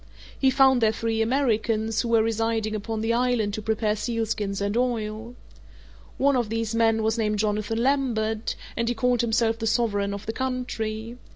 He found there three Americans, who were residing upon the island to prepare sealskins and oil. One of these men was named Jonathan Lambert, and he called himself the sovereign of the country.